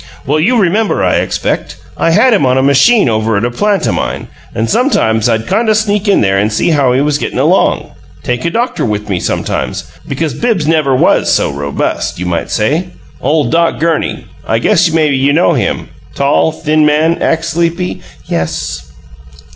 Well, you remember, I expect, I had him on a machine over at a plant o' mine; and sometimes I'd kind o' sneak in there and see how he was gettin' along. Take a doctor with me sometimes, because Bibbs never WAS so robust, you might say. Ole Doc Gurney I guess maybe you know him? Tall, thin man; acts sleepy " "Yes."